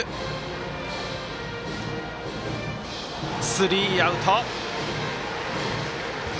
スリーアウト。